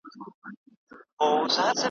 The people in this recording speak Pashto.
بېګناه یم نه په ژوند مي څوک وژلی ,